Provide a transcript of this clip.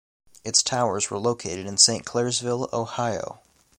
Its towers were located in Saint Clairsville, Ohio.